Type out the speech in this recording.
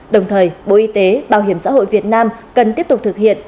đồng thời bộ y tế bảo hiểm xã hội việt nam cần tiếp tục thực hiện